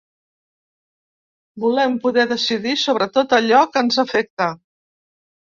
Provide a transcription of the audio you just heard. Volem poder decidir sobre tot allò que ens afecta.